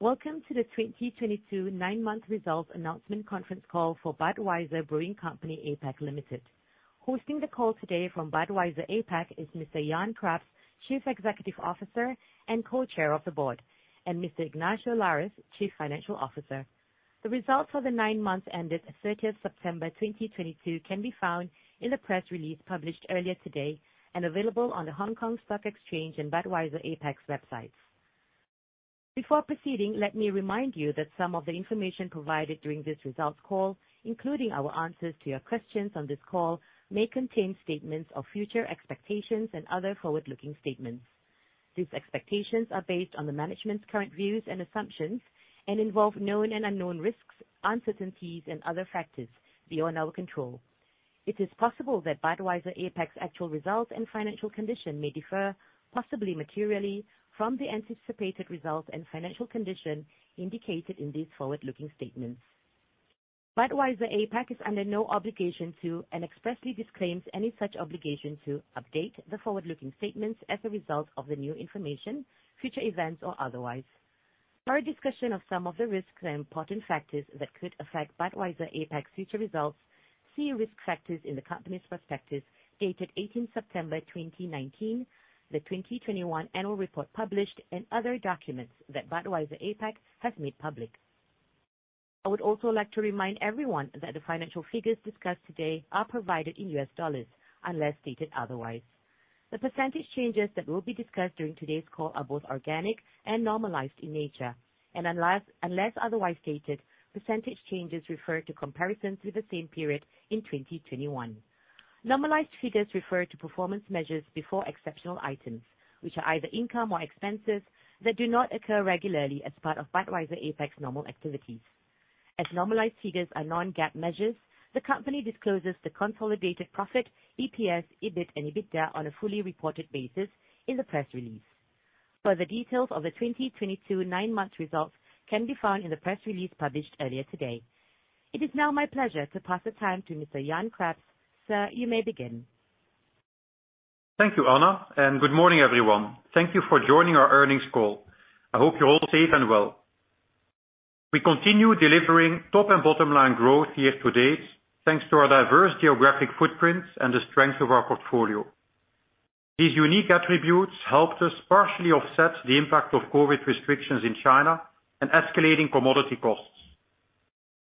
Welcome to the 2022, Nine Month Results Announcement Conference Call For Budweiser Brewing Company APAC Limited. Hosting the call today from Budweiser APAC is Mr. Jan Craps, Chief Executive Officer and Co-Chair of the Board, and Mr. Ignacio Lares, Chief Financial Officer. The results for the nine months ended 30th September 2022 can be found in the press release published earlier today and available on the Hong Kong Stock Exchange and Budweiser APAC's websites. Before proceeding, let me remind you that some of the information provided during this results call, including our answers to your questions on this call, may contain statements of future expectations and other forward-looking statements. These expectations are based on the management's current views and assumptions and involve known and unknown risks, uncertainties, and other factors beyond our control. It is possible that Budweiser APAC's actual results and financial condition may differ, possibly materially, from the anticipated results and financial condition indicated in these forward-looking statements. Budweiser APAC is under no obligation to, and expressly disclaims any such obligation to, update the forward-looking statements as a result of the new information, future events, or otherwise. For a discussion of some of the risks and important factors that could affect Budweiser APAC's future results, see Risk Factors in the company's prospectus, dated 18 September 2019, the 2021 annual report published, and other documents that Budweiser APAC has made public. I would also like to remind everyone that the financial figures discussed today are provided in US dollars, unless stated otherwise. The percentage changes that will be discussed during today's call are both organic and normalized in nature. Unless otherwise stated, percentage changes refer to comparisons with the same period in 2021. Normalized figures refer to performance measures before exceptional items, which are either income or expenses that do not occur regularly as part of Budweiser APAC's normal activities. As normalized figures are non-GAAP measures, the company discloses the consolidated profit, EPS, EBIT, and EBITDA on a fully reported basis in the press release. Further details of the 2022 nine-month results can be found in the press release published earlier today. It is now my pleasure to pass the mic to Mr. Jan Craps. Sir, you may begin. Thank you, Anna, and good morning, everyone. Thank you for joining our earnings call. I hope you're all safe and well. We continue delivering top and bottom line growth year to date, thanks to our diverse geographic footprints and the strength of our portfolio. These unique attributes helped us partially offset the impact of COVID restrictions in China and escalating commodity costs.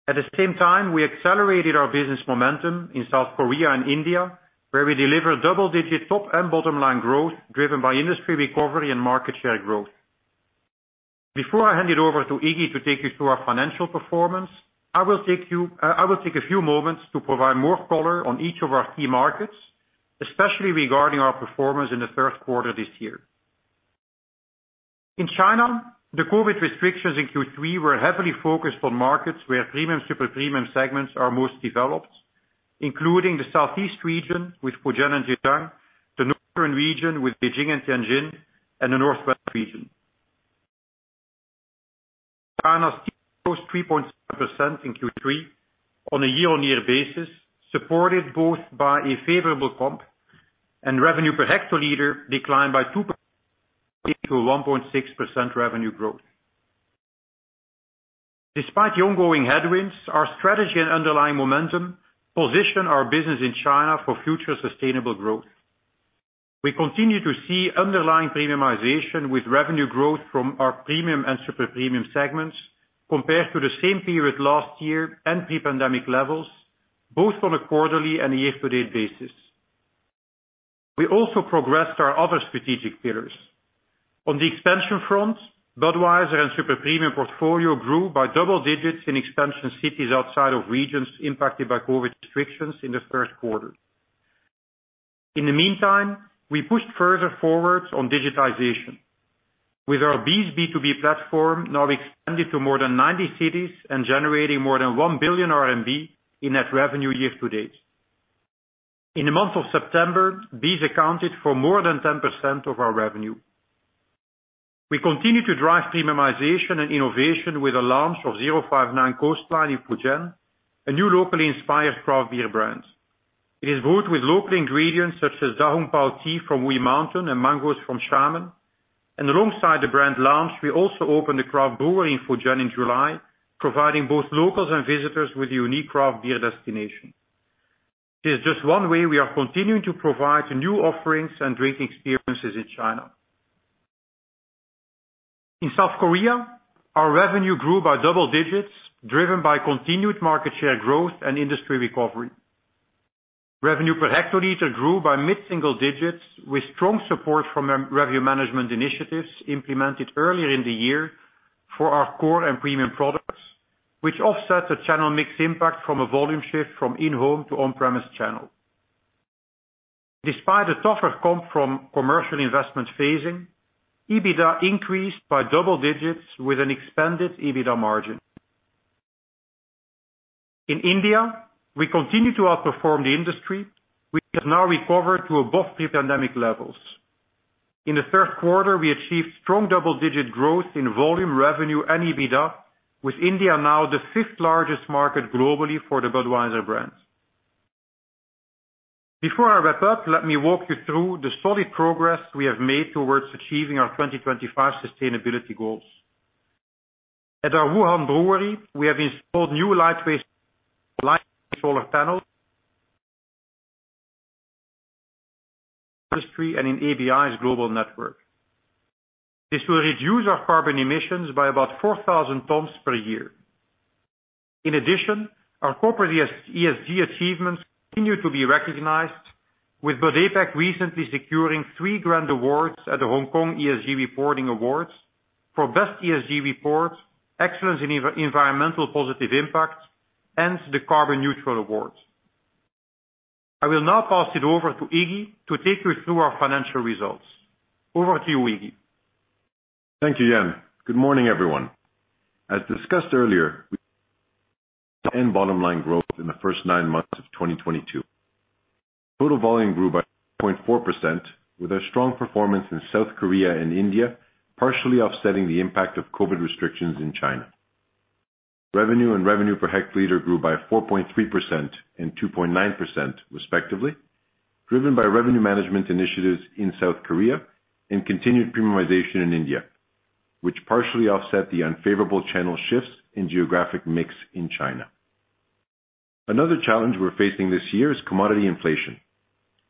At the same time, we accelerated our business momentum in South Korea and India, where we deliver double digit top and bottom line growth driven by industry recovery and market share growth. Before I hand it over to Iggy to take you through our financial performance, I will take a few moments to provide more color on each of our key markets, especially regarding our performance in the Q3 this year. In China, the COVID restrictions in Q3 were heavily focused on markets where premium, super premium segments are most developed, including the Southeast region with Fujian and Zhejiang, the Northern region with Beijing and Tianjin, and the Northwest region. China's GDP grows 3.7% in Q3 on a year-on-year basis, supported both by a favorable comp and revenue per hectoliter declined by 2% to 1.6% revenue growth. Despite the ongoing headwinds, our strategy and underlying momentum position our business in China for future sustainable growth. We continue to see underlying premiumization with revenue growth from our premium and super premium segments compared to the same period last year and pre-pandemic levels, both on a quarterly and year-to-date basis. We also progressed our other strategic pillars. On the expansion front, Budweiser and Super Premium portfolio grew by double digits in expansion cities outside of regions impacted by COVID restrictions in the Q1 In the meantime, we pushed further forward on digitization, with our BEES B2B platform now extended to more than 90 cities and generating more than 1 billion RMB in net revenue year to date. In the month of September, BEES accounted for more than 10% of our revenue. We continue to drive premiumization and innovation with the launch of 059 Coastline in Fujian, a new locally inspired craft beer brand. It is brewed with local ingredients such as Da Hong Pao tea from Wuyi Mountain and mangoes from Xiamen. Alongside the brand launch, we also opened a craft brewery in Fujian in July, providing both locals and visitors with a unique craft beer destination. It is just one way we are continuing to provide new offerings and drink experiences in China. In South Korea, our revenue grew by double digits, driven by continued market share growth and industry recovery. Revenue per hectoliter grew by mid-single digits with strong support from revenue management initiatives implemented earlier in the year for our core and premium products, which offset the channel mix impact from a volume shift from in-home to on-premise channel. Despite a tougher comp from commercial investment phasing, EBITDA increased by double digits with an expanded EBITDA margin. In India, we continue to outperform the industry, which has now recovered to above pre-pandemic levels. In the Q3, we achieved strong double-digit growth in volume, revenue, and EBITDA, with India now the fifth largest market globally for the Budweiser brand. Before I wrap up, let me walk you through the solid progress we have made towards achieving our 2025 sustainability goals. At our Wuhan brewery, we have installed new lightweight solar panels, first in the industry and in ABI's global network. This will reduce our carbon emissions by about 4,000 tons per year. In addition, our corporate ESG achievements continue to be recognized with Budweiser APAC recently securing three grand awards at the Hong Kong ESG Reporting Awards for best ESG report, excellence in environmental positive impact, and the carbon neutral award. I will now pass it over to Iggy to take you through our financial results. Over to you, Iggy. Thank you, Jan. Good morning, everyone. As discussed earlier, bottom line growth in the first nine months of 2022. Total volume grew by 0.4% with a strong performance in South Korea and India, partially offsetting the impact of COVID restrictions in China. Revenue and revenue per hectoliter grew by 4.3% and 2.9% respectively, driven by revenue management initiatives in South Korea and continued premiumization in India, which partially offset the unfavorable channel shifts in geographic mix in China. Another challenge we're facing this year is commodity inflation,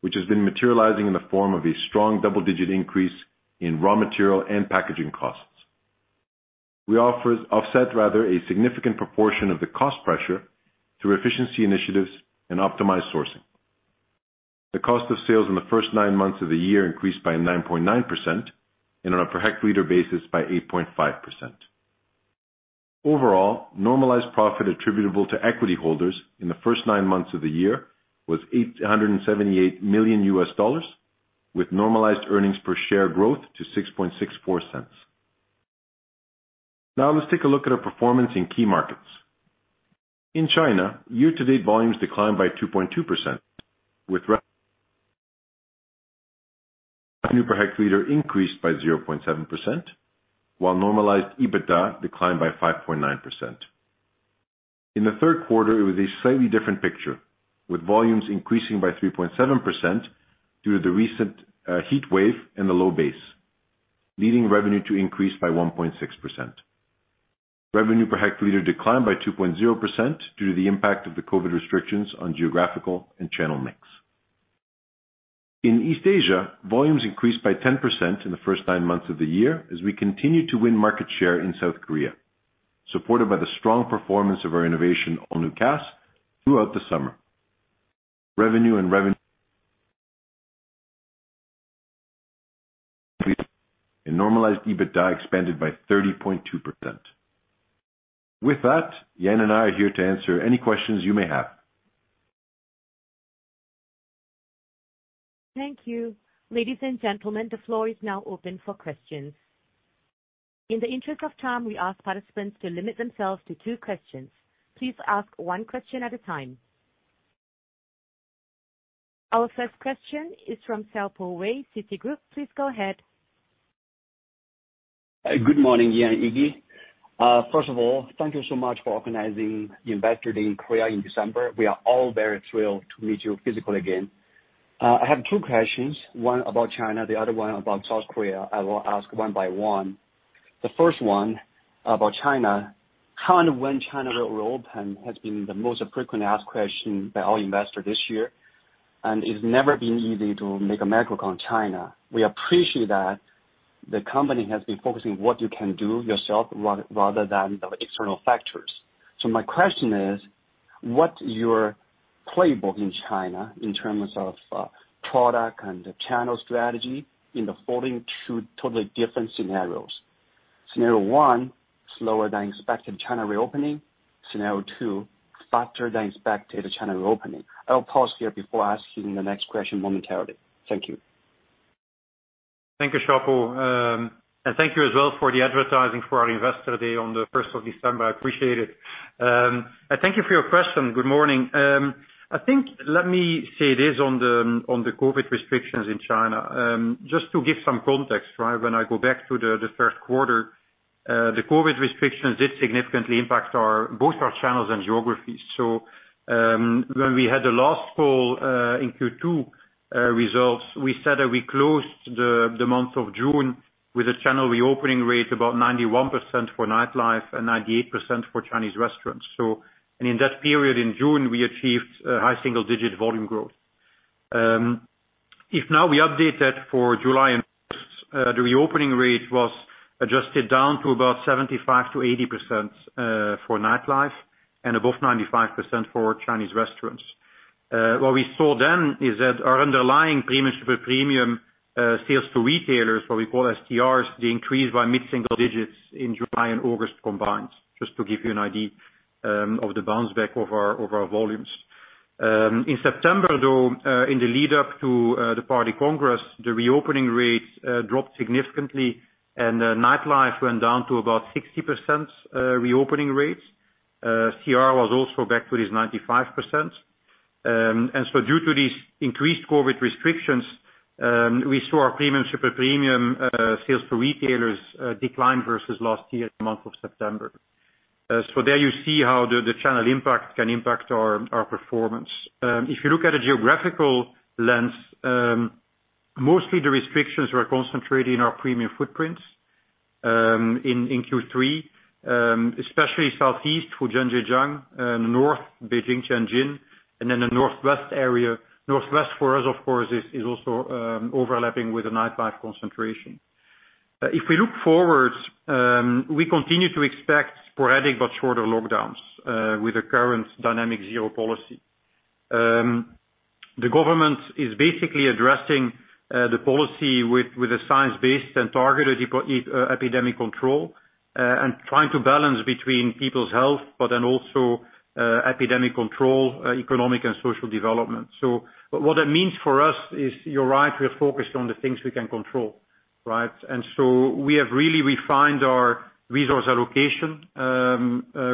which has been materializing in the form of a strong double-digit increase in raw material and packaging costs. We offset a significant proportion of the cost pressure through efficiency initiatives and optimized sourcing. The cost of sales in the first nine months of the year increased by 9.9% and on a per hectoliter basis by 8.5%. Overall, normalized profit attributable to equity holders in the first nine months of the year was $878 million with normalized earnings per share grew to $0.0664. Now let's take a look at our performance in key markets. In China, year-to-date volumes declined by 2.2% with revenue per hectoliter increased by 0.7%, while normalized EBITDA declined by 5.9%. In the Q3, it was a slightly different picture, with volumes increasing by 3.7% due to the recent heat wave and the low base, leading revenue to increase by 1.6%. Revenue per hectoliter declined by 2.0% due to the impact of the COVID restrictions on geographical and channel mix. In East Asia, volumes increased by 10% in the first nine months of the year as we continued to win market share in South Korea, supported by the strong performance of our innovation on All New Cass throughout the summer. Normalized EBITDA expanded by 30.2%. With that, Jan and I are here to answer any questions you may have. Thank you. Ladies and gentlemen, the floor is now open for questions. In the interest of time, we ask participants to limit themselves to two questions. Please ask one question at a time. Our first question is from Xiaopo Wei, Citigroup. Please go ahead. Good morning, Jan and Iggy. First of all, thank you so much for organizing Investor Day in Korea in December. We are all very thrilled to meet you physically again. I have two questions, one about China, the other one about South Korea. I will ask one by one. The first one about China. How and when China will reopen has been the most frequent asked question by all investors this year, and it's never been easy to make a metric on China? We appreciate that the company has been focusing what you can do yourself rather than the external factors. My question is, what's your playbook in China in terms of, product and channel strategy in the following two totally different scenarios? Scenario one, slower than expected China reopening. Scenario two, faster than expected China reopening. I'll pause here before asking the next question momentarily. Thank you. Thank you, Xiaopo. Thank you as well for the advertising for our Investor Day on the first of December. I appreciate it. Thank you for your question. Good morning. I think let me say this on the COVID restrictions in China. Just to give some context, right? When I go back to the Q1, the COVID restrictions did significantly impact both our channels and geographies. When we had the last call in Q2 results, we said that we closed the month of June with a channel reopening rate about 91% for nightlife and 98% for Chinese restaurants. In that period in June, we achieved a high single-digit volume growth. If now we update that for July and August, the reopening rate was adjusted down to about 75%-80% for nightlife and above 95% for Chinese restaurants. What we saw then is that our underlying premium super premium sales to retailers, what we call STRs, they increased by mid-single digits in July and August combined, just to give you an idea of the bounce back of our volumes. In September, though, in the lead up to the Party Congress, the reopening rates dropped significantly and the nightlife went down to about 60% reopening rates. CR was also back to its 95%. Due to these increased COVID restrictions, we saw our premium, super premium sales to retailers decline versus last year in the month of September. There you see how the channel impact can impact our performance. If you look at a geographical lens, mostly the restrictions were concentrated in our premium footprints in Q3, especially Southeast, and then the Northwest area. Northwest for us, of course, is also overlapping with a nightlife concentration. If we look forward, we continue to expect sporadic but shorter lockdowns with the current dynamic zero policy. The government is basically addressing the policy with a science-based and targeted epidemic control and trying to balance between people's health, but then also epidemic control, economic and social development. What it means for us is, you're right, we are focused on the things we can control, right? We have really refined our resource allocation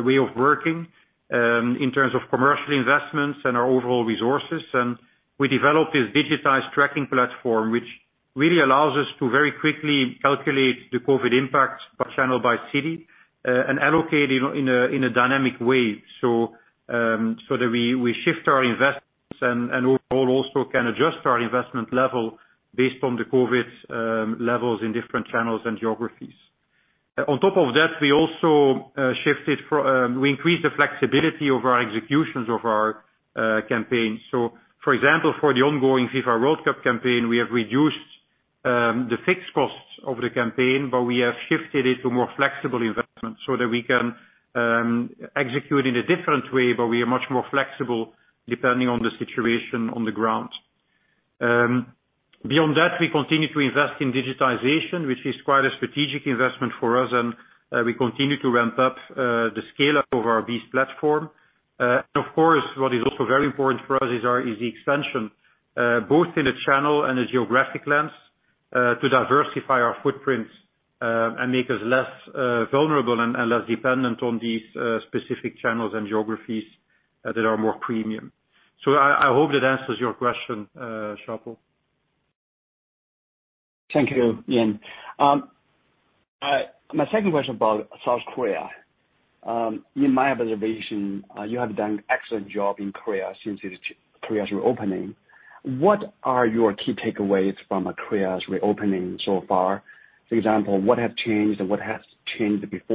way of working in terms of commercial investments and our overall resources. We developed this digitized tracking platform, which really allows us to very quickly calculate the COVID impact by channel, by city, and allocate it in a dynamic way so that we shift our investments and overall also can adjust our investment level based on the COVID levels in different channels and geographies. On top of that, we also increased the flexibility of our executions of our campaign. For example, for the ongoing FIFA World Cup campaign, we have reduced the fixed cost of the campaign, but we have shifted it to more flexible investments so that we can execute in a different way, but we are much more flexible depending on the situation on the ground. Beyond that, we continue to invest in digitization, which is quite a strategic investment for us and we continue to ramp up the scale-up of our BEES platform. Of course, what is also very important for us is our geographic expansion both in the channel and the geographic lens to diversify our footprints and make us less vulnerable and less dependent on these specific channels and geographies that are more premium. I hope that answers your question, Xiaopo. Thank you, Jan. My second question about South Korea. In my observation, you have done excellent job in Korea since Korea's reopening. What are your key takeaways from Korea's reopening so far? For example, what has changed pre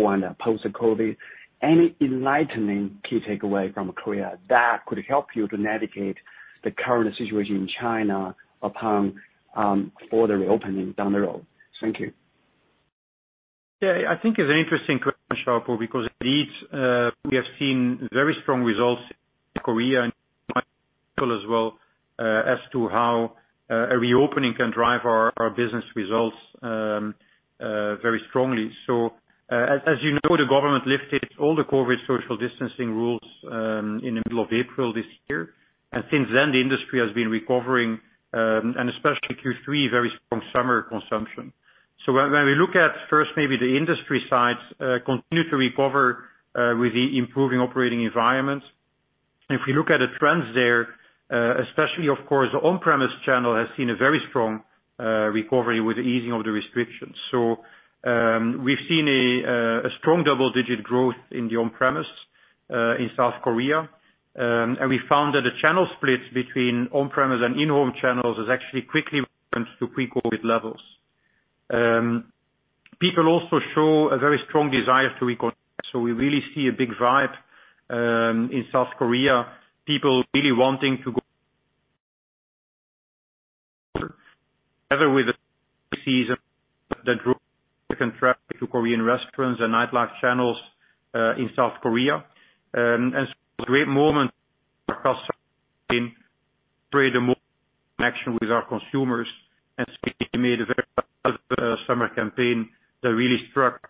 and post COVID? Any enlightening key takeaway from Korea that could help you to navigate the current situation in China upon the reopening down the road? Thank you. Yeah, I think it's an interesting question, Xiaopo, because indeed, we have seen very strong results in Korea and might as well, as to how, a reopening can drive our business results very strongly. As you know, the government lifted all the COVID social distancing rules in the middle of April this year. Since then, the industry has been recovering, and especially Q3, very strong summer consumption. When we look at first, maybe the industry side, continue to recover with the improving operating environment. If we look at the trends there, especially of course, the on-premise channel has seen a very strong recovery with the easing of the restrictions. We've seen a strong double-digit growth in the on-premise in South Korea. We found that the channel split between on-premise and in-home channels has actually quickly returned to pre-COVID levels. People also show a very strong desire to reconnect, so we really see a big vibe in South Korea, people really wanting to go together with the season that drew traffic to Korean restaurants and nightlife channels in South Korea. Great moment for us to create a more connection with our consumers. We made a very summer campaign that really struck.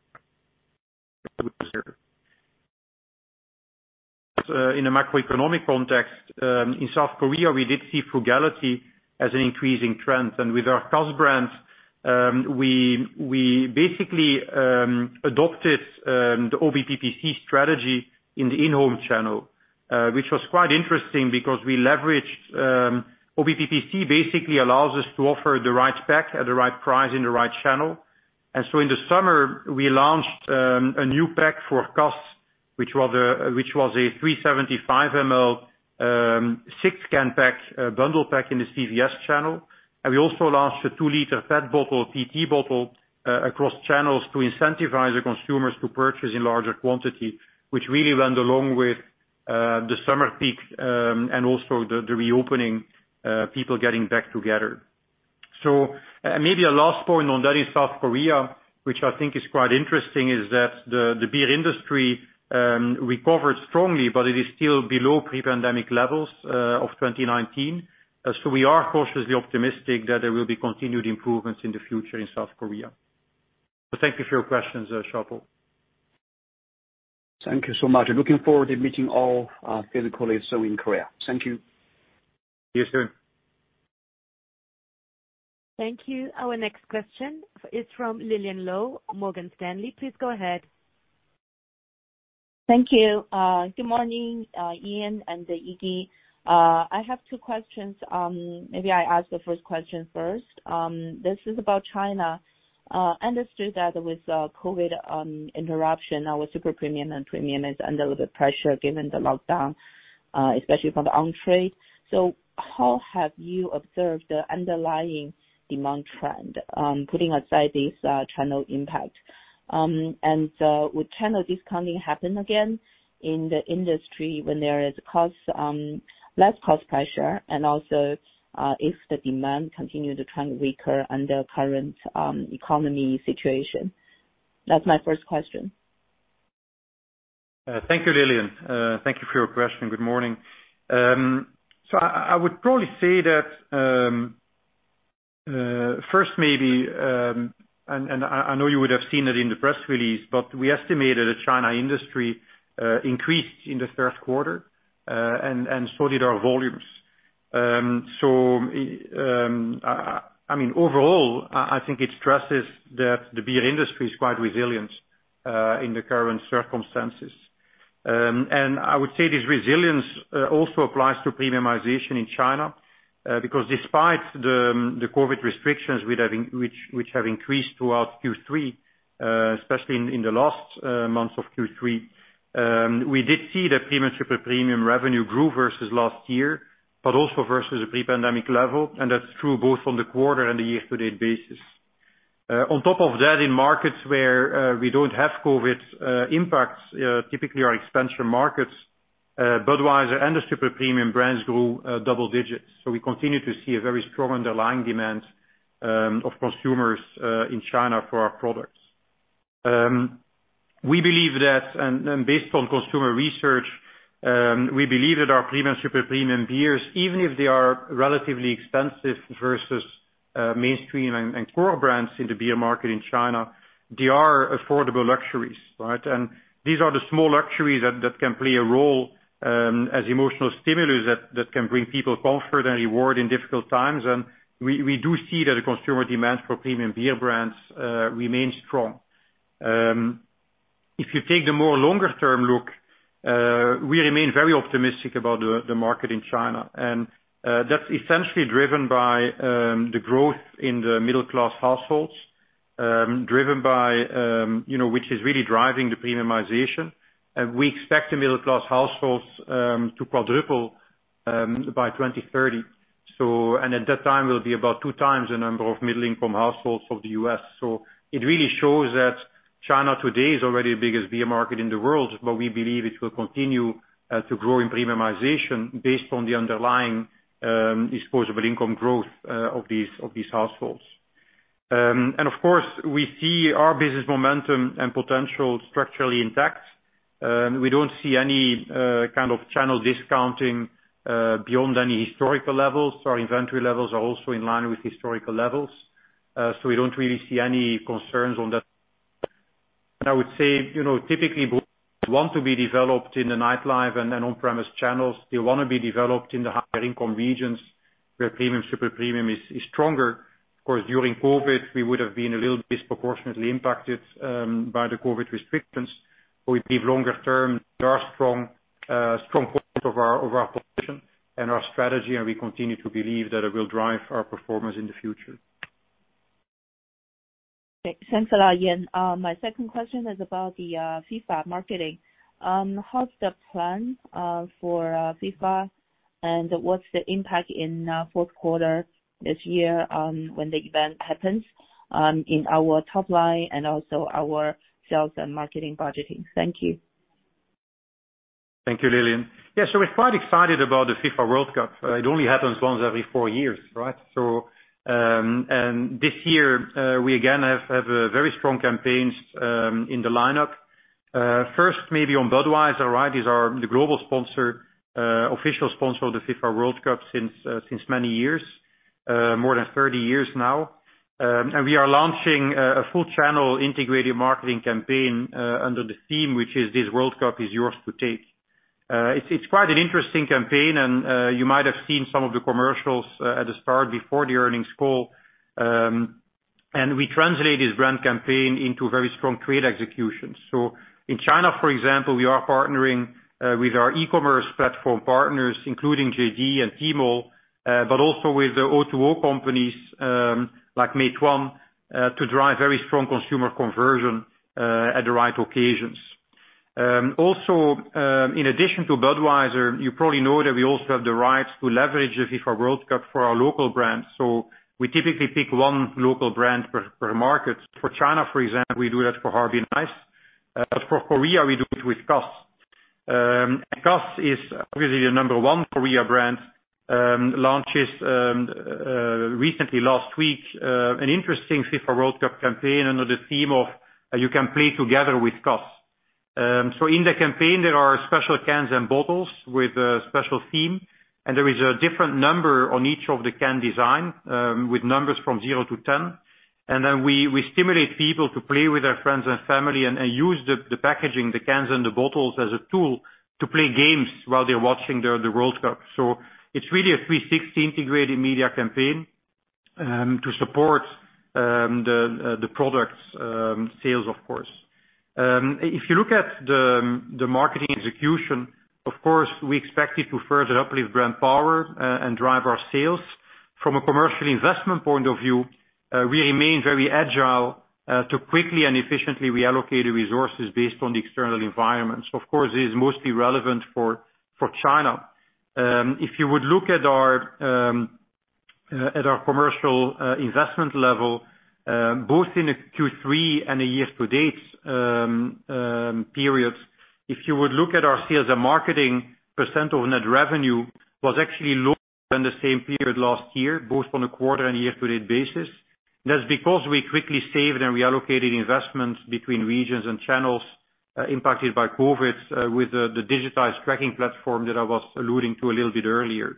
In a macroeconomic context in South Korea, we did see frugality as an increasing trend. With our cost brands, we basically adopted the OBPPC strategy in the in-home channel, which was quite interesting because we leveraged. OBPPC basically allows us to offer the right pack at the right price in the right channel. In the summer, we launched a new pack for Cass, which was a 375 ml, 6-can pack, bundle pack in the CVS channel. We also launched a two litre PET bottle, across channels to incentivize the consumers to purchase in larger quantity, which really went along with the summer peak, and also the reopening, people getting back together. Maybe a last point on that in South Korea, which I think is quite interesting, is that the beer industry recovered strongly, but it is still below pre-pandemic levels of 2019. We are cautiously optimistic that there will be continued improvements in the future in South Korea. Thank you for your questions, Xiaopo. Thank you so much. Looking forward to meeting all, physically so in Korea. Thank you. See you soon. Thank you. Our next question is from Lillian Lou, Morgan Stanley. Please go ahead. Thank you. Good morning, Jan and Iggy. I have two questions. Maybe I ask the first question first. This is about China. Understood that with the COVID interruption, our super premium and premium is under a little bit pressure given the lockdown. Especially from the on-trade. How have you observed the underlying demand trend, putting aside this channel impact? And, will channel discounting happen again in the industry when there is cost less cost pressure and also, if the demand continue to trend weaker under current economy situation? That's my first question. Thank you, Lillian. Thank you for your question. Good morning. I would probably say that first maybe, and I know you would have seen it in the press release, but we estimated that China industry increased in the Q3, and so did our volumes. I mean, overall, I think it stresses that the beer industry is quite resilient in the current circumstances. I would say this resilience also applies to premiumization in China, because despite the COVID restrictions, which have increased throughout Q3, especially in the last months of Q3, we did see the premium, super premium revenue grew versus last year, but also versus the pre-pandemic level, and that's true both on the quarter and the year-to-date basis. On top of that, in markets where we don't have COVID impacts, typically our expansion markets, Budweiser and the super premium brands grew double digits. We continue to see a very strong underlying demand of consumers in China for our products. We believe that based on consumer research, we believe that our premium, super premium beers, even if they are relatively expensive versus mainstream and core brands in the beer market in China, they are affordable luxuries, right? These are the small luxuries that can play a role as emotional stimulus that can bring people comfort and reward in difficult times. We do see that the consumer demand for premium beer brands remain strong. If you take the more longer term look, we remain very optimistic about the market in China. That's essentially driven by the growth in the middle class households, driven by you know, which is really driving the premiumization. We expect the middle class households to quadruple by 2030. At that time, it will be about 2x the number of middle-income households of the U.S. It really shows that China today is already the biggest beer market in the world, but we believe it will continue to grow in premiumization based on the underlying disposable income growth of these households. Of course, we see our business momentum and potential structurally intact. We don't see any channel discounting beyond any historical levels. Our inventory levels are also in line with historical levels. We don't really see any concerns on that. I would say, you know, typically want to be developed in the nightlife and on-premise channels. They wanna be developed in the higher income regions, where premium, super premium is stronger. Of course, during COVID, we would have been a little disproportionately impacted by the COVID restrictions. We believe longer term, they are strong part of our population and our strategy, and we continue to believe that it will drive our performance in the future. Thanks a lot, Jan. My second question is about the FIFA marketing. How's the plan for FIFA, and what's the impact in Q4 this year, when the event happens, in our top line and also our sales and marketing budgeting? Thank you. Thank you, Lillian. Yeah, we're quite excited about the FIFA World Cup. It only happens once every four years, right? This year, we again have a very strong campaigns in the line-up. First, maybe on Budweiser, right? The global sponsor, official sponsor of the FIFA World Cup since many years, more than 30 years now. We are launching a full channel integrated marketing campaign under the theme, which is, "This World Cup is Yours to Take." It's quite an interesting campaign, and you might have seen some of the commercials at the start before the earnings call. We translate this brand campaign into very strong trade execution. In China, for example, we are partnering with our e-commerce platform partners, including JD.com and Tmall, but also with the O2O companies, like Meituan, to drive very strong consumer conversion at the right occasions. Also, in addition to Budweiser, you probably know that we also have the rights to leverage the FIFA World Cup for our local brands. We typically pick one local brand per market. For China, for example, we do that for Harbin Ice. For Korea, we do it with Cass. Cass is obviously the number one Korean brand. Launches recently last week an interesting FIFA World Cup campaign under the theme of, "You can play together with Cass." In the campaign, there are special cans and bottles with a special theme, and there is a different number on each of the can design with numbers from zero to 10. We stimulate people to play with their friends and family and use the packaging, the cans and the bottles as a tool to play games while they're watching the World Cup. It's really a 360-integrated media campaign to support the products' sales, of course. If you look at the marketing execution, of course, we expect it to further uplift brand power and drive our sales. From a commercial investment point of view, we remain very agile to quickly and efficiently reallocate the resources based on the external environment. Of course it is mostly relevant for China. If you would look at our commercial investment level, both in the Q3 and the year to date periods, if you would look at our sales and marketing percent of net revenue was actually lower than the same period last year, both on a quarter and year-to-date basis. That's because we quickly saved and reallocated investments between regions and channels, impacted by COVID, with the digitized tracking platform that I was alluding to a little bit earlier.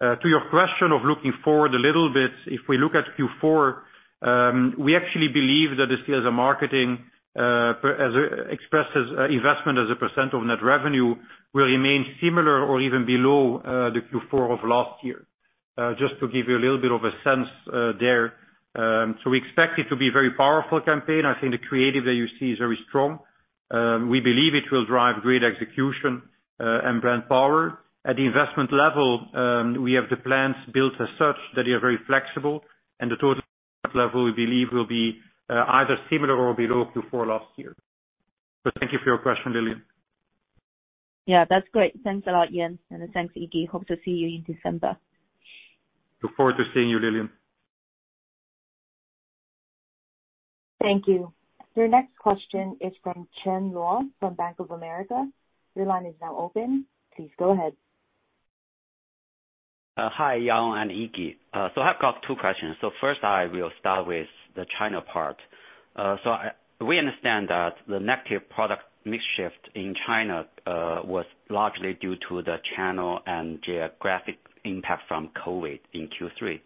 To your question of looking forward a little bit, if we look at Q4, we actually believe that the sales and marketing, as expressed as investment as a percent of net revenue will remain similar or even below the Q4 of last year. Just to give you a little bit of a sense there. We expect it to be very powerful campaign. I think the creative that you see is very strong. We believe it will drive great execution and brand power. At the investment level, we have the plans built as such that they are very flexible and the total level we believe will be either similar or below Q4 last year. Thank you for your question, Lillian. Yeah, that's great. Thanks a lot, Jan, and thanks, Iggy. Hope to see you in December. Look forward to seeing you, Lillian. Thank you. Your next question is from Chen Luo from Bank of America. Your line is now open. Please go ahead. Hi, Jan and Iggy. I have got two questions. First, I will start with the China part. We understand that the negative product mix shift in China was largely due to the channel and geographic impact from COVID in Q3.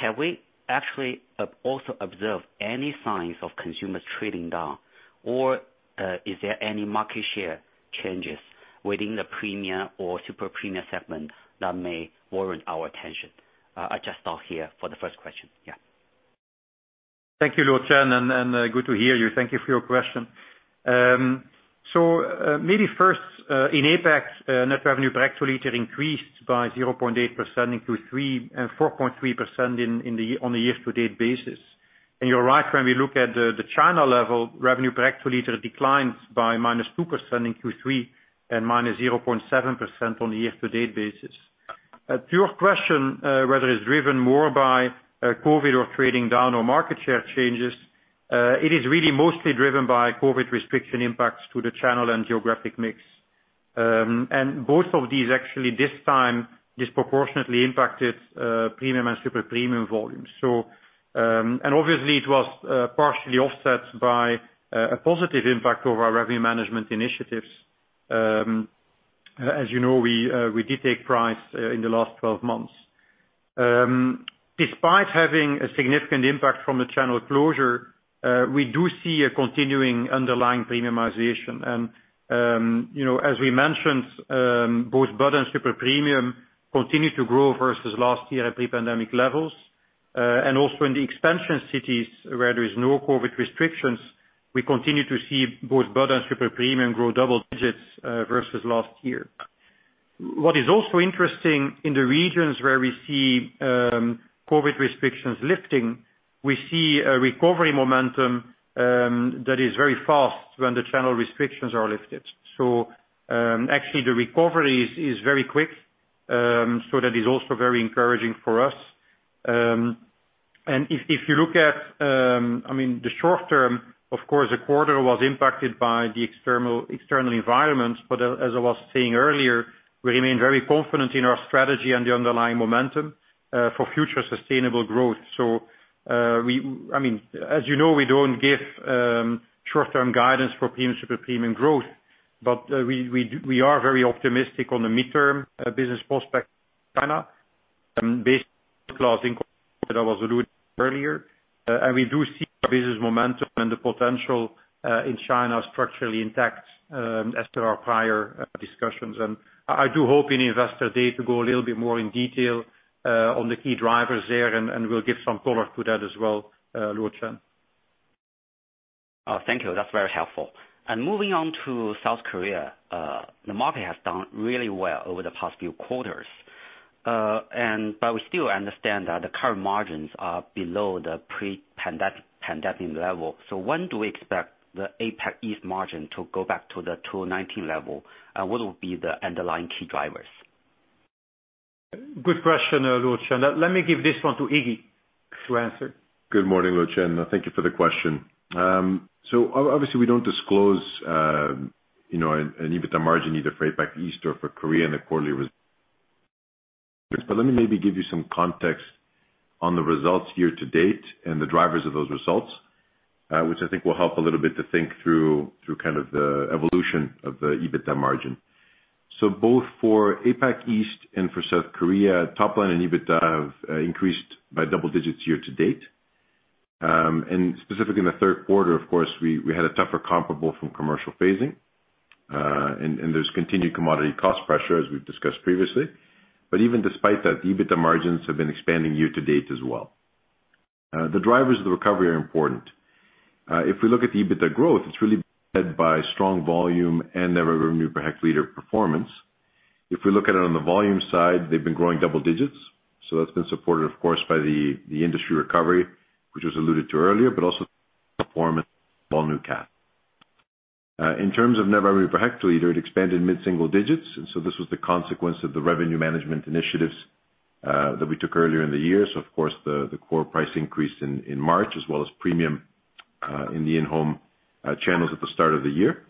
Have we actually also observed any signs of consumers trading down or is there any market share changes within the premium or super premium segment that may warrant our attention? I'll just stop here for the first question. Yeah. Thank you, Chen Luo, and good to hear you. Thank you for your question. Maybe first, in APAC, net revenue per actual litre increased by 0.8% in Q3 and 4.3% on a year-to-date basis. You're right, when we look at the China level revenue per actual litre declines by -2% in Q3 and -0.7% on the year-to-date basis. To your question, whether it's driven more by COVID or trading down or market share changes, it is really mostly driven by COVID restriction impacts to the channel and geographic mix. Both of these actually this time disproportionately impacted premium and super premium volumes. Obviously it was partially offset by a positive impact over our revenue management initiatives. As you know, we did take price in the last 12 months. Despite having a significant impact from the channel closure, we do see a continuing underlying premiumization. You know, as we mentioned, both Bud and Super Premium continue to grow versus last year at pre-pandemic levels. In the expansion cities where there is no COVID restrictions, we continue to see both Bud and Super Premium grow double digits versus last year. What is also interesting in the regions where we see COVID restrictions lifting, we see a recovery momentum that is very fast when the channel restrictions are lifted. Actually the recovery is very quick. That is also very encouraging for us. If you look at, I mean, the short term, of course, the quarter was impacted by the external environment. As I was saying earlier, we remain very confident in our strategy and the underlying momentum for future sustainable growth. I mean, as you know, we don't give short term guidance for premium, super premium growth. We are very optimistic on the midterm business prospect China based that I was alluding earlier. We do see our business momentum and the potential in China structurally intact as to our prior discussions. I do hope in Investor Day to go a little bit more in detail on the key drivers there and we'll give some color to that as well, Chen Luo. Thank you. That's very helpful. Moving on to South Korea. The market has done really well over the past few quarters. We still understand that the current margins are below the pre-pandemic level. When do we expect the APAC East margin to go back to the 2019 level? What will be the underlying key drivers? Good question, Chen Luo. Let me give this one to Iggy to answer. Good morning, Chen Luo, and thank you for the question. Obviously we don't disclose, you know, an EBITDA margin either for APAC East or for Korea in the quarterly results. Let me maybe give you some context on the results year to date and the drivers of those results, which I think will help a little bit to think through the evolution of the EBITDA margin. Both for APAC East and for South Korea, top line and EBITDA have increased by double digits year to date. Specifically in the Q3 of course, we had a tougher comparable from commercial phasing. There's continued commodity cost pressure as we've discussed previously. Even despite that, the EBITDA margins have been expanding year to date as well. The drivers of the recovery are important. If we look at the EBITDA growth, it's really led by strong volume and net revenue per hectoliter performance. If we look at it on the volume side, they've been growing double digits, so that's been supported of course by the industry recovery, which was alluded to earlier, but also performance volume gap. In terms of net revenue per hectoliter, it expanded mid-single digits, and so this was the consequence of the revenue management initiatives that we took earlier in the year. Of course the core price increase in March as well as premium in the in-home channels at the start of the year.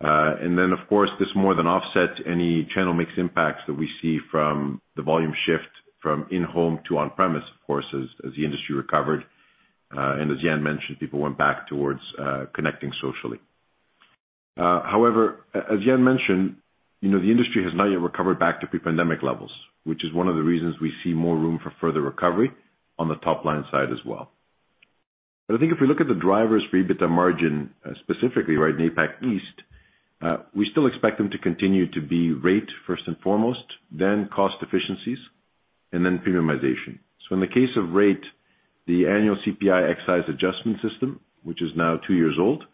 Of course, this more than offset any channel mix impacts that we see from the volume shift from in-home to on-premise, of course, as the industry recovered. As Jan mentioned, people went back towards connecting socially. However, as Jan mentioned, you know, the industry has not yet recovered back to pre-pandemic levels, which is one of the reasons we see more room for further recovery on the top-line side as well. I think if we look at the drivers for EBITDA margin, specifically, right in APAC East, we still expect them to continue to be rate first and foremost, then cost efficiencies and then premiumization. In the case of rate, the annual CPI excise adjustment system, which is now two years old,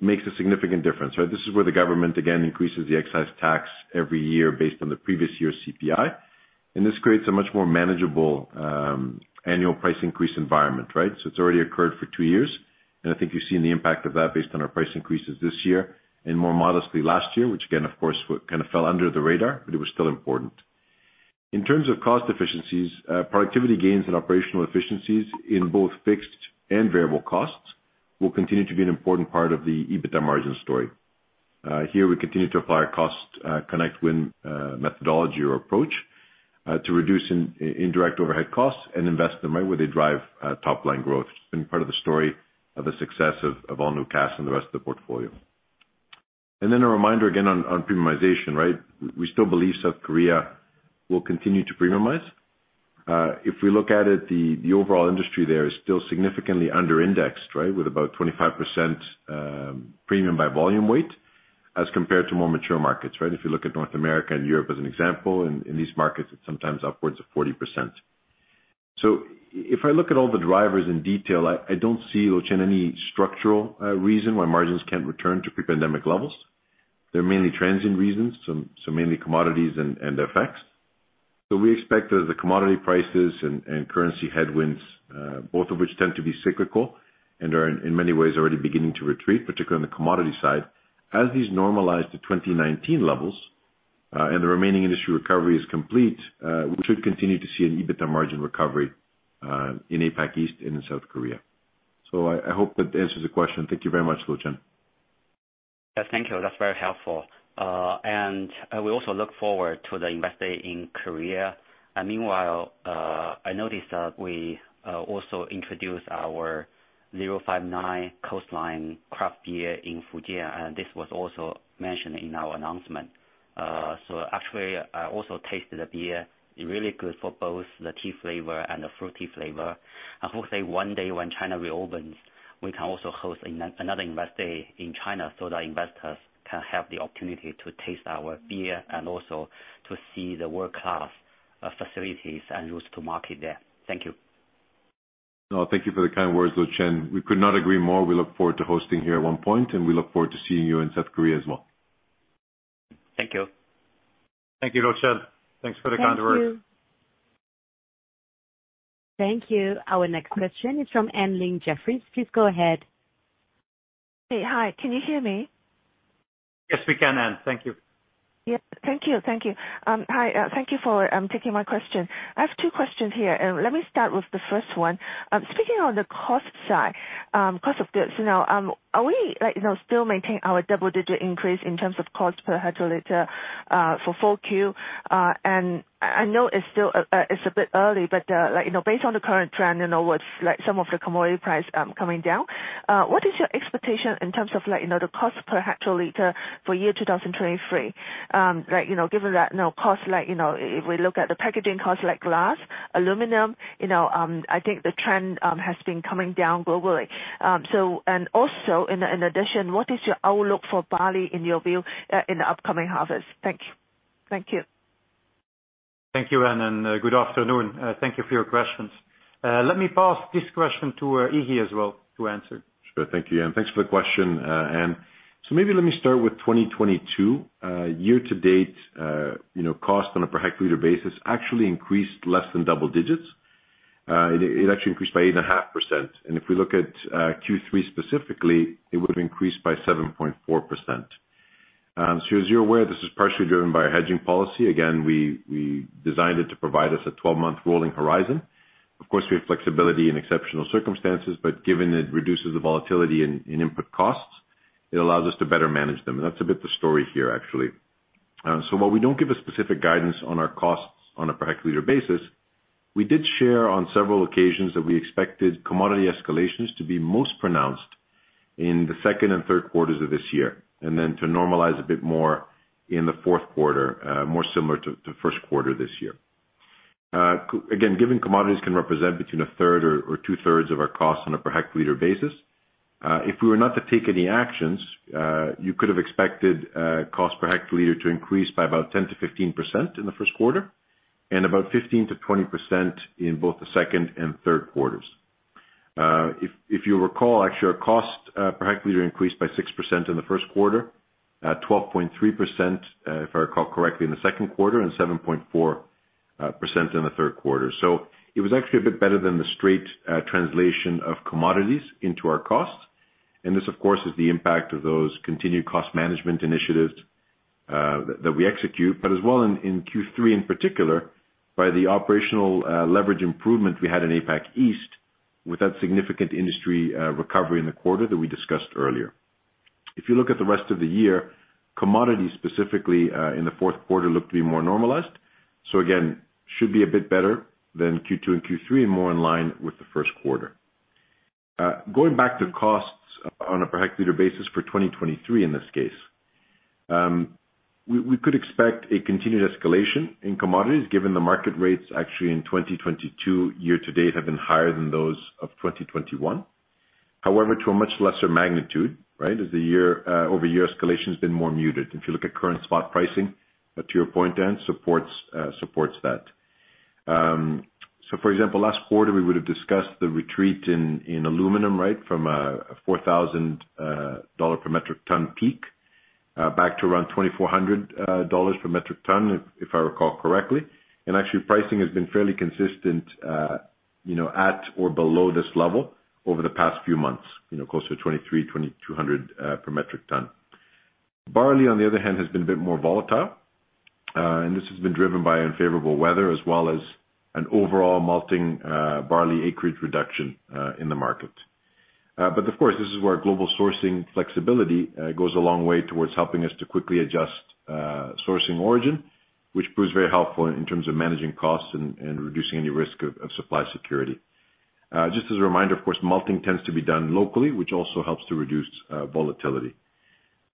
makes a significant difference. This is where the government again increases the excise tax every year based on the previous year's CPI, and this creates a much more manageable annual price increase environment, right? It's already occurred for two years, and I think you've seen the impact of that based on our price increases this year and more modestly last year, which again, of course, kind of fell under the radar, but it was still important. In terms of cost efficiencies, productivity gains and operational efficiencies in both fixed and variable costs will continue to be an important part of the EBITDA margin story. Here we continue to apply our Cost to Connect to Win methodology or approach to reduce indirect overhead costs and invest them right where they drive top-line growth. It's been part of the story of the success of All New Cass and the rest of the portfolio. A reminder again on premiumization, right? We still believe South Korea will continue to premiumize. If we look at it, the overall industry there is still significantly under-indexed, right? With about 25% premium by volume weight as compared to more mature markets, right? If you look at North America and Europe as an example. In these markets, it's sometimes upwards of 40%. If I look at all the drivers in detail, I don't see, Chen Luo, any structural reason why margins can't return to pre-pandemic levels. They're mainly transient reasons, mainly commodities and their effects. We expect that the commodity prices and currency headwinds, both of which tend to be cyclical and are in many ways already beginning to retreat, particularly on the commodity side. As these normalize to 2019 levels, and the remaining industry recovery is complete, we should continue to see an EBITDA margin recovery, in APAC East and in South Korea. I hope that answers the question. Thank you very much, Chen Luo. Yes, thank you. That's very helpful. We also look forward to the Investor Day in Korea. Meanwhile, I noticed that we also introduced our 059 Coastline Craft beer in Fujian, and this was also mentioned in our announcement. Actually, I also tasted the beer, really good for both the tea flavor and the fruity flavor. I hope that one day when China reopens, we can also host another Investor Day in China so that investors can have the opportunity to taste our beer and also to see the world-class facilities and routes to market there. Thank you. No, thank you for the kind words, Chen Luo. We could not agree more. We look forward to hosting here at one point, and we look forward to seeing you in South Korea as well. Thank you. Thank you, Chen Luo. Thanks for the kind words. Thank you. Thank you. Our next question is from Anne Ling, Jefferies. Please go ahead. Hey. Hi, can you hear me? Yes, we can, Anne. Thank you. Yeah. Thank you. Hi. Thank you for taking my question. I have two questions here, and let me start with the first one. Speaking on the cost side, cost of goods now, are we like, you know, still maintain our double-digit increase in terms of cost per hectoliter, for full Q? I know it's still, it's a bit early, but, like, you know, based on the current trend, you know, with like some of the commodity price coming down, what is your expectation in terms of like, you know, the cost per hectoliter for year 2023? Like, you know, given that, you know, cost like, you know, if we look at the packaging cost like glass, aluminum, you know, I think the trend has been coming down globally. In addition, what is your outlook for barley in your view, in the upcoming harvest? Thank you. Thank you, Anne, and good afternoon. Thank you for your questions. Let me pass this question to Iggy as well to answer. Sure. Thank you. Thanks for the question, Anne. Maybe let me start with 2022. Year to date, you know, cost on a per hectoliter basis actually increased less than double digits. It actually increased by 8.5%. If we look at Q3 specifically, it would've increased by 7.4%. As you're aware, this is partially driven by our hedging policy. Again, we designed it to provide us a 12-month rolling horizon. Of course, we have flexibility in exceptional circumstances, but given it reduces the volatility in input costs, it allows us to better manage them. That's basically the story here actually. While we don't give a specific guidance on our Cass on a per hectoliter basis, we did share on several occasions that we expected commodity escalations to be most pronounced in the Q2 and Q3s of this year, and then to normalize a bit more in the Q4, more similar to Q1 this year. Again, given commodities can represent between a third or two thirds of our cost on a per hectoliter basis, if we were not to take any actions, you could have expected cost per hectoliter to increase by about 10%-15% in the Q1 and about 15%-20% in both the Q2 and Q3s. If you recall, actually our cost per hectoliter increased by 6% in the Q1, 12.3%, if I recall correctly in the Q2, and 7.4% in the Q3. It was actually a bit better than the straight translation of commodities into our Cass. And this, of course, is the impact of those continued cost management initiatives that we execute, but as well in Q3 in particular by the operational leverage improvement we had in APAC East with that significant industry recovery in the quarter that we discussed earlier. If you look at the rest of the year, commodities specifically in the fourth quarter look to be more normalized. Again, should be a bit better than Q2 and Q3 and more in line with the Q1. Going back to Cass on a per hectoliter basis for 2023 in this case, we could expect a continued escalation in commodities given the market rates actually in 2022 year to date have been higher than those of 2021. However, to a much lesser magnitude, right? As the year-over-year escalation has been more muted. If you look at current spot pricing, to your point then, supports that. For example, last quarter we would have discussed the retreat in aluminum, right? From a $4,000 per metric ton peak back to around $2,400 per metric ton if I recall correctly. Actually pricing has been fairly consistent, you know, at or below this level over the past few months, you know, closer to $2,300-$2,200 per metric ton. Barley on the other hand has been a bit more volatile, and this has been driven by unfavorable weather as well as an overall malting barley acreage reduction in the market. Of course this is where global sourcing flexibility goes a long way towards helping us to quickly adjust sourcing origin, which proves very helpful in terms of managing Cass and reducing any risk of supply security. Just as a reminder, of course, malting tends to be done locally, which also helps to reduce volatility.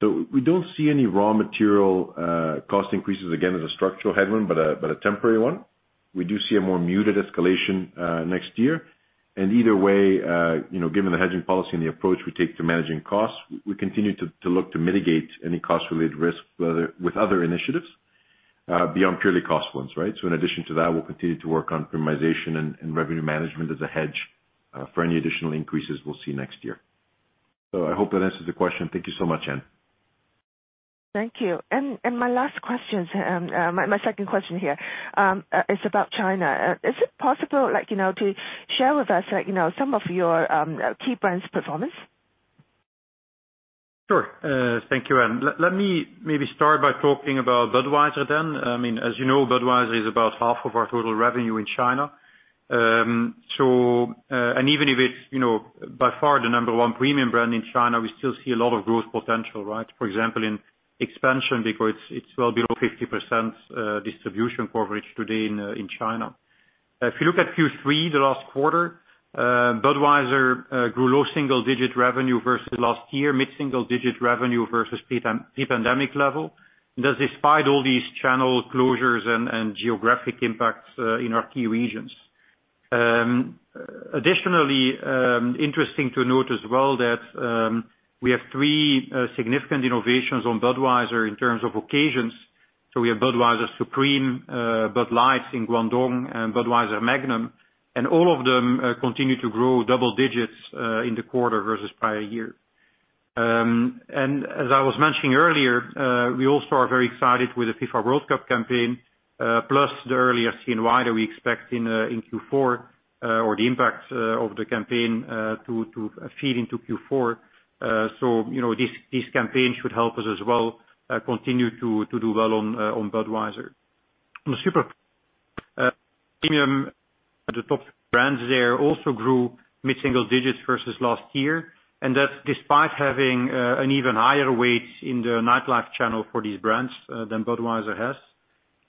We don't see any raw material cost increases again as a structural headwind, but a temporary one. We do see a more muted escalation next year. Either way, you know, given the hedging policy and the approach we take to managing Cass, we continue to look to mitigate any cost related risks with other initiatives beyond purely cost ones, right? In addition to that, we'll continue to work on premiumization and revenue management as a hedge for any additional increases we'll see next year. I hope that answers the question. Thank you so much, Anne Ling. Thank you. My second question here is about China. Is it possible, like, you know, to share with us, like, you know, some of your key brands' performance? Thank you, Anne. Let me maybe start by talking about Budweiser then. I mean, as you know, Budweiser is about half of our total revenue in China. And even if it's, you know, by far the number one premium brand in China, we still see a lot of growth potential, right? For example, in expansion, because it's well below 50% distribution coverage today in China. If you look at Q3, the last quarter, Budweiser grew low single-digit revenue versus last year, mid-single-digit revenue versus pre-pandemic level. That's despite all these channel closures and geographic impacts in our key regions. Additionally, interesting to note as well that we have three significant innovations on Budweiser in terms of occasions. We have Budweiser Supreme, Bud Light in Guangdong, and Budweiser Magnum, and all of them continue to grow double digits in the quarter versus prior year. As I was mentioning earlier, we also are very excited with the FIFA World Cup campaign, plus the earlier Chinese New Year we expect in Q4, and the impact of the campaign to feed into Q4. You know, this campaign should help us as well continue to do well on Budweiser. On the super premium, the top brands there also grew mid-single digits versus last year. That's despite having an even higher weight in the nightlife channel for these brands than Budweiser has.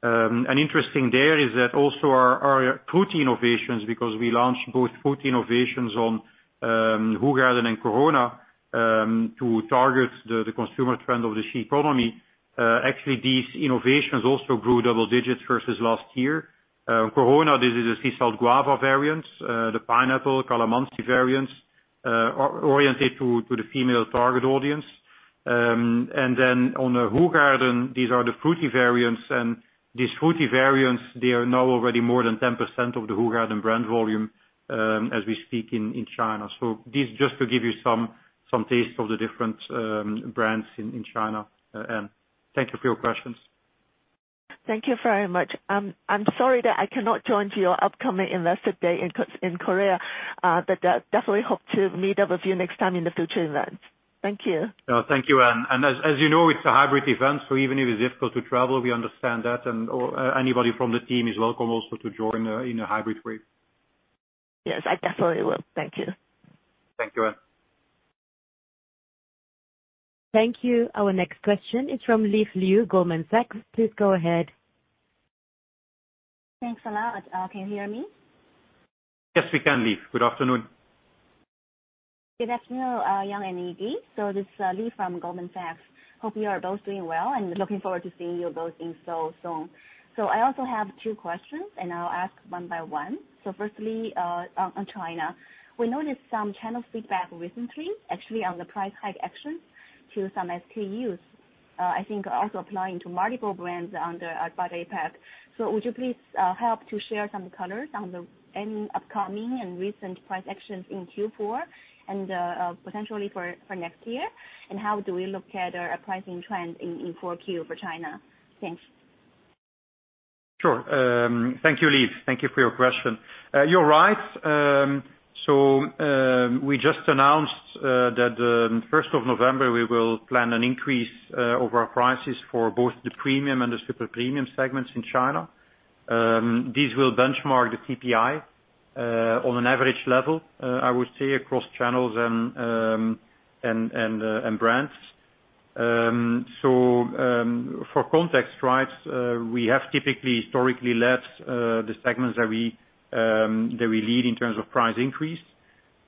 Interesting there is that also our fruity innovations because we launched both fruity innovations on Hoegaarden and Corona to target the consumer trend of the SHEconomy. Actually these innovations also grew double digits versus last year. Corona, this is a Sea Salt Guava variant, the Pineapple Calamansi variants, oriented to the female target audience. On the Hoegaarden, these are the fruity variants. These fruity variants, they are now already more than 10% of the Hoegaarden brand volume, as we speak in China. This just to give you some taste of the different brands in China. Thank you for your questions. Thank you very much. I'm sorry that I cannot join to your upcoming investor day in Korea. Definitely hope to meet up with you next time in the future events. Thank you. Yeah. Thank you, Anne. As you know, it's a hybrid event, so even if it's difficult to travel, we understand that and/or anybody from the team is welcome also to join in a hybrid way. Yes, I definitely will. Thank you. Thank you, Anne. Thank you. Our next question is from Liv Liu, Goldman Sachs. Please go ahead. Thanks a lot. Can you hear me? Yes, we can, Liv. Good afternoon. Good afternoon, Jan and Iggy. This is Liv from Goldman Sachs. Hope you are both doing well and looking forward to seeing you both in Seoul soon. I also have two questions, and I'll ask one by one. Firstly, on China. We noticed some channel feedback recently actually on the price hike actions to some SKUs. I think also applying to multiple brands under [AB InBev]. Would you please help to share some color on any upcoming and recent price actions in Q4 and potentially for next year? And how do we look at our pricing trend in Q4 for China? Thanks. Sure. Thank you, Liv. Thank you for your question. You're right. We just announced that first of November, we will plan an increase over our prices for both the premium and the super premium segments in China. This will benchmark the CPI on an average level, I would say across channels and brands. For context, right, we have typically historically led the segments that we lead in terms of price increase.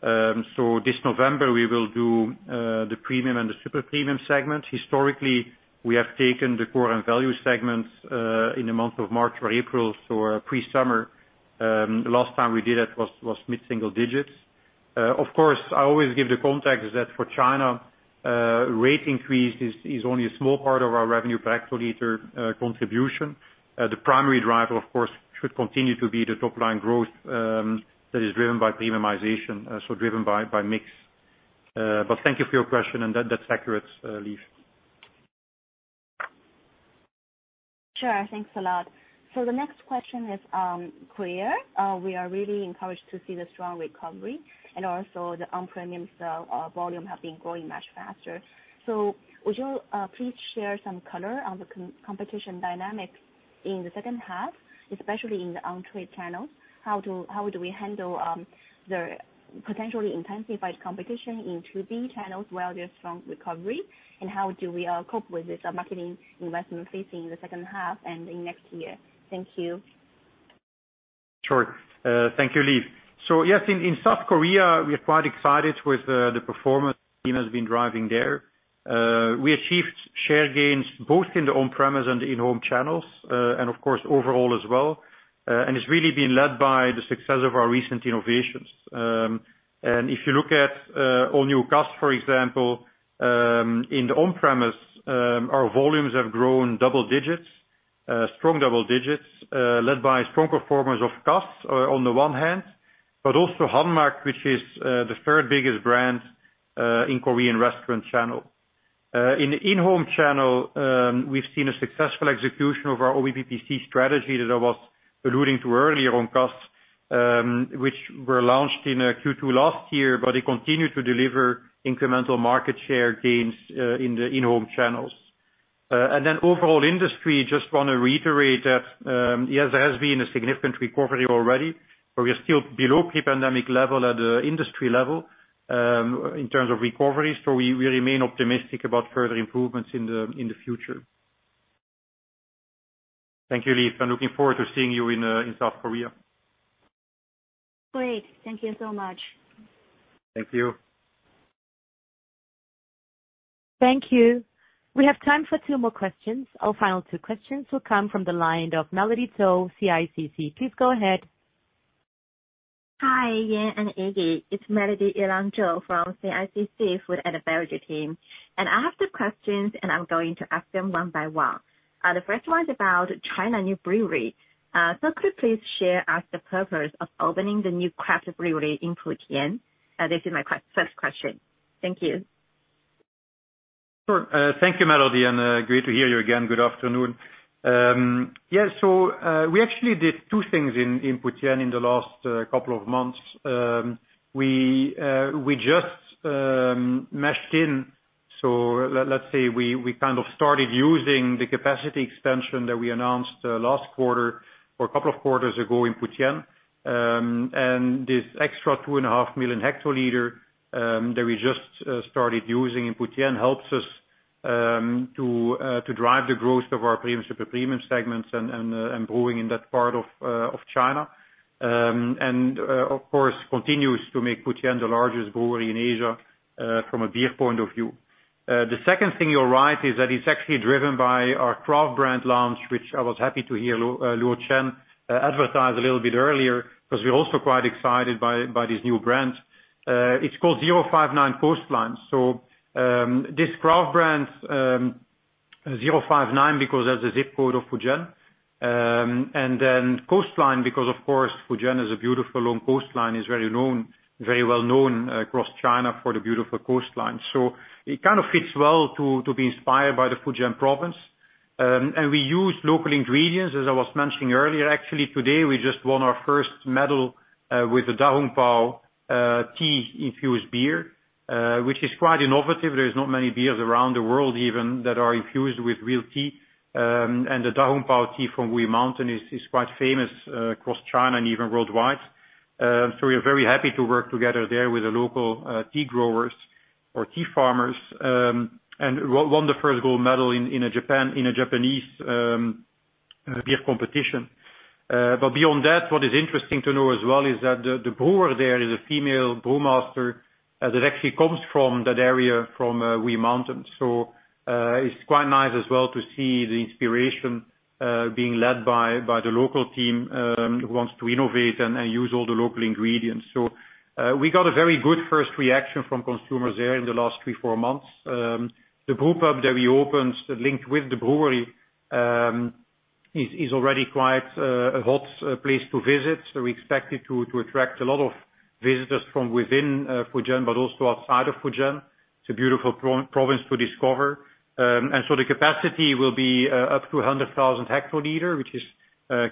This November, we will do the premium and the super premium segments. Historically, we have taken the core and value segments in the month of March or April, so pre-summer. The last time we did it was mid-single digits. Of course, I always give the context that for China, rate increase is only a small part of our revenue per hectoliter contribution. The primary driver, of course, should continue to be the top line growth, that is driven by premiumization, so driven by mix. Thank you for your question and that's accurate, Liv. Sure. Thanks a lot. The next question is Korea. We are really encouraged to see the strong recovery and also the on-premise volume have been growing much faster. Would you please share some color on the competition dynamics in the H2, especially in the on-trade channels? How do we handle the potentially intensified competition in trade channels while there's strong recovery, and how do we cope with this marketing investment facing the H2 and in next year? Thank you. Sure. Thank you, Liv. Yes, in South Korea, we are quite excited with the performance the team has been driving there. We achieved share gains both in the on-premise and the in-home channels, and of course, overall as well. It's really been led by the success of our recent innovations. If you look at All New Cass, for example, in the on-premise, our volumes have grown double digits, strong double digits, led by strong performance of Cass, on the one hand, but also Hanmac, which is the third biggest brand in Korean restaurant channel. In the in-home channel, we've seen a successful execution of our OBPPC strategy that I was alluding to earlier on Cass, which were launched in Q2 last year, but they continue to deliver incremental market share gains in the in-home channels. Overall industry, just wanna reiterate that, yes, there has been a significant recovery already, but we are still below pre-pandemic level at the industry level in terms of recovery. We remain optimistic about further improvements in the future. Thank you, Liv. I'm looking forward to seeing you in South Korea. Great. Thank you so much. Thank you. Thank you. We have time for two more questions. Our final two questions will come from the line of Melody To, CICC. Please go ahead. Hi, Jan and Iggy. It's Melody Elan To from CICC Food and Beverage team. I have two questions, and I'm going to ask them one by one. The first one is about China new brewery. Could you please share us the purpose of opening the new craft brewery in Fujian? This is my first question. Thank you. Sure. Thank you, Melody, and great to hear you again. Good afternoon. We actually did two things in Fujian in the last couple of months. We just mashed in. Let's say we kind of started using the capacity expansion that we announced last quarter or a couple of quarters ago in Fujian. This extra 2.5 million hectoliters that we just started using in Fujian helps us to drive the growth of our premium, super premium segments and brewing in that part of China, and of course continues to make Fujian the largest brewery in Asia from a beer point of view. The second thing you're right is that it's actually driven by our craft brand launch, which I was happy to hear Chen Luo advertise a little bit earlier because we're also quite excited by this new brand. It's called 059 Coastline. This craft brand, 059 because that's the zip code of Fujian, and then Coastline because of course, Fujian has a beautiful long coastline. It's very known, very well known across China for the beautiful coastline. It kind of fits well to be inspired by the Fujian province. We use local ingredients, as I was mentioning earlier. Actually, today we just won our first medal with the Da Hong Pao tea infused beer, which is quite innovative. There's not many beers around the world even that are infused with real tea. The Da Hong Pao tea from Wuyi Mountain is quite famous across China and even worldwide. We are very happy to work together there with the local tea growers or tea farmers and won the first gold medal in a Japanese beer competition. Beyond that, what is interesting to know as well is that the brewer there is a female brew master that actually comes from that area, from Wuyi Mountain. It's quite nice as well to see the inspiration being led by the local team who wants to innovate and use all the local ingredients. We got a very good first reaction from consumers there in the last three or four months. The brewpub that we opened linked with the brewery is already quite a hot place to visit. We expect it to attract a lot of visitors from within Fujian, but also outside of Fujian. It's a beautiful province to discover. The capacity will be up to 100,000 hectoliters, which is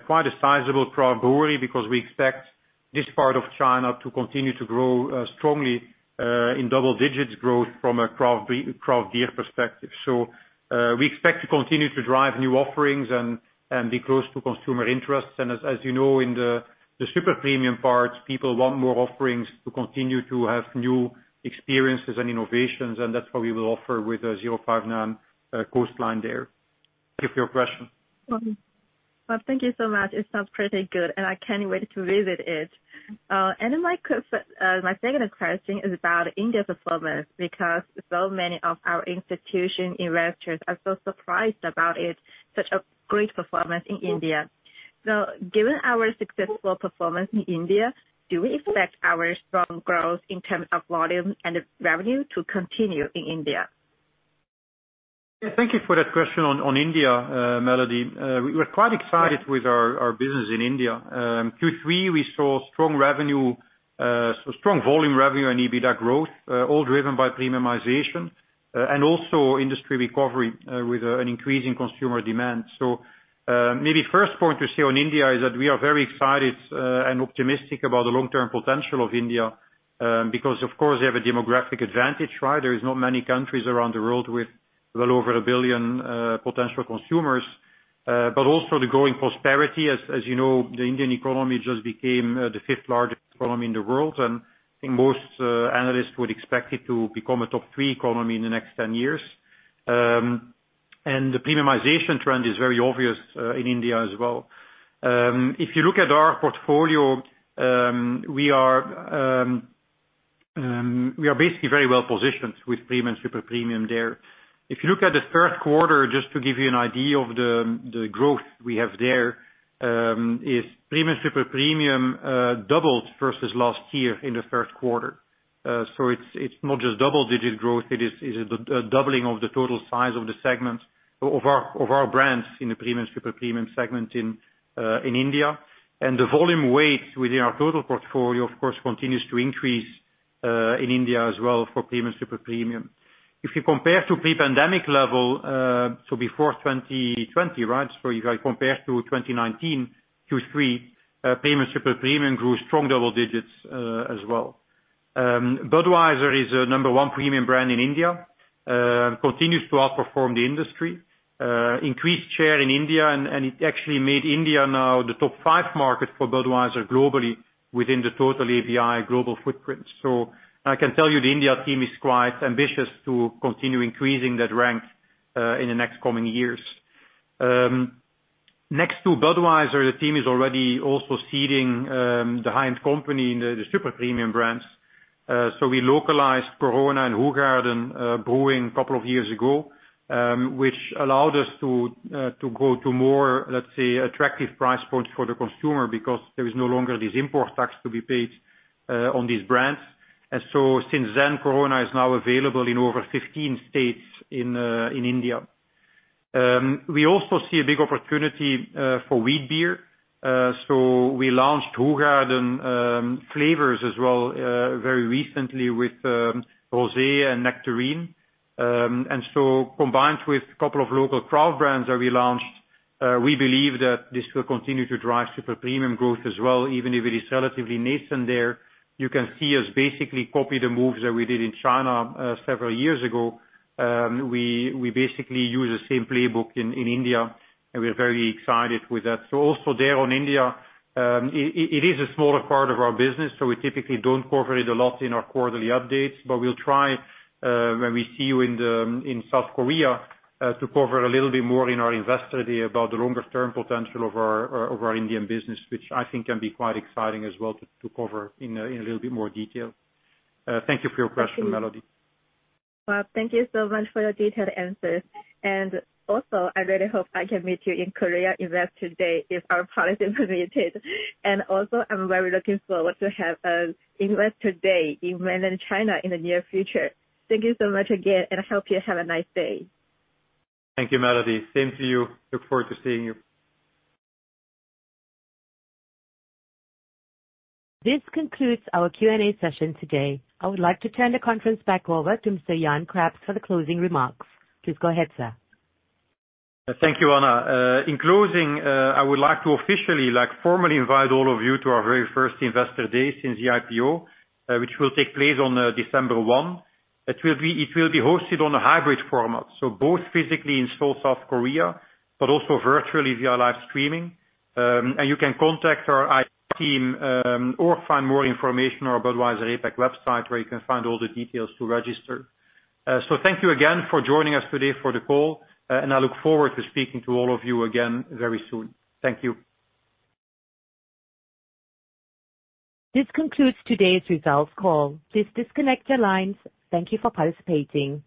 quite a sizable craft brewery, because we expect this part of China to continue to grow strongly in double digits growth from a craft beer perspective. We expect to continue to drive new offerings and be close to consumer interests. As you know, in the super premium parts, people want more offerings to continue to have new experiences and innovations, and that's what we will offer with 059 Coastline there. Thank you for your question. Well, thank you so much. It sounds pretty good, and I can't wait to visit it. My second question is about India's performance, because so many of our institutional investors are so surprised about it, such a great performance in India. Given our successful performance in India, do we expect our strong growth in terms of volume and revenue to continue in India? Yeah. Thank you for that question on India, Melody. We're quite excited with our business in India. Q3, we saw strong volume, revenue and EBITDA growth, all driven by premiumization and also industry recovery with an increase in consumer demand. Maybe first point to share on India is that we are very excited and optimistic about the long-term potential of India, because of course they have a demographic advantage, right? There is not many countries around the world with well over 1 billion potential consumers. But also the growing prosperity as you know, the Indian economy just became the fifth largest economy in the world, and I think most analysts would expect it to become a top three economy in the next 10 years. The premiumization trend is very obvious in India as well. If you look at our portfolio, we are basically very well positioned with premium, super premium there. If you look at the Q3, just to give you an idea of the growth we have there, premium, super premium doubled versus last year in the Q3. It's not just double-digit growth, it is a doubling of the total size of the segment of our brands in the premium, super premium segment in India. The volume weight within our total portfolio, of course, continues to increase in India as well for premium, super premium. If you compare to pre-pandemic level before 2020, right? If I compare to 2019 Q3, premium, super premium grew strong double digits, as well. Budweiser is the number one premium brand in India, continues to outperform the industry, increased share in India and it actually made India now the top five market for Budweiser globally within the total ABI global footprint. I can tell you the India team is quite ambitious to continue increasing that rank, in the next coming years. Next to Budweiser, the team is already also seeding the company in the super premium brands. We localized Corona and Hoegaarden brewing a couple of years ago, which allowed us to go to more, let's say, attractive price points for the consumer because there is no longer this import tax to be paid on these brands. Since then, Corona is now available in over 15 states in India. We also see a big opportunity for wheat beer. We launched Hoegaarden flavors as well very recently with rosé and nectarine. Combined with a couple of local craft brands that we launched, we believe that this will continue to drive super premium growth as well, even if it is relatively nascent there. You can see us basically copy the moves that we did in China several years ago. We basically use the same playbook in India, and we're very excited with that. Also there in India, it is a smaller part of our business, so we typically don't cover it a lot in our quarterly updates. We'll try when we see you in the- In South Korea, to cover a little bit more in our Investor Day about the longer term potential of our Indian business, which I think can be quite exciting as well to cover in a little bit more detail. Thank you for your question, Melody. Well, thank you so much for your detailed answers. I really hope I can meet you in Korea Investor Day if our policy permit it. I'm very looking forward to have a Investor Day in Mainland China in the near future. Thank you so much again, and I hope you have a nice day. Thank you, Melody. Same to you. Look forward to seeing you. This concludes our Q&A session today. I would like to turn the conference back over to Mr. Jan Craps for the closing remarks. Please go ahead, sir. Thank you, Anna. In closing, I would like to officially, like, formally invite all of you to our very first Investor Day since the IPO, which will take place on December 1. It will be hosted on a hybrid format, so both physically in Seoul, South Korea, but also virtually via live streaming. You can contact our IT team or find more information on our Budweiser APAC website, where you can find all the details to register. Thank you again for joining us today for the call, and I look forward to speaking to all of you again very soon. Thank you. This concludes today's results call. Please disconnect your lines. Thank you for participating.